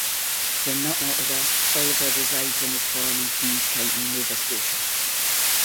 When not in Ottawa, Oliver resides on his farm in Queens County, Nova Scotia.